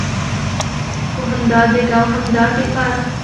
خو همدا دېګ او همدا ټېپر.